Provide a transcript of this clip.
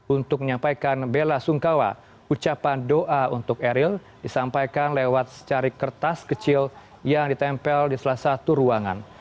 untuk menyampaikan bela sungkawa ucapan doa untuk eril disampaikan lewat secari kertas kecil yang ditempel di salah satu ruangan